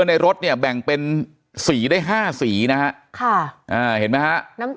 ในรถเนี่ยแบ่งเป็นสีได้๕สีนะฮะค่ะอ่าเห็นไหมฮะน้ำ